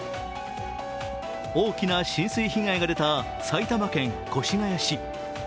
大きな浸水被害が出た埼玉県越谷市。